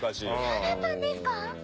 そうだったんですか？